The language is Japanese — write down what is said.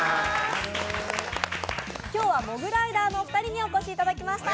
今日はモグライダーのお二人にお越しいただきました。